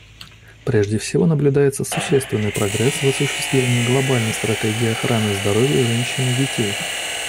Прежде всего, наблюдается существенный прогресс в осуществлении Глобальной стратегии охраны здоровья женщин и детей.